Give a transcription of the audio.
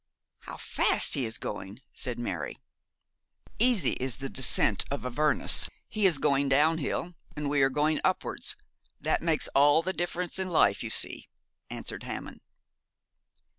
'How fast he is going!' said Mary. 'Easy is the descent of Avernus. He is going down hill, and we are going upwards. That makes all the difference in life, you see,' answered Hammond.